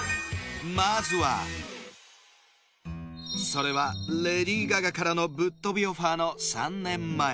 まずはそれはレディー・ガガからのぶっとびオファーの３年前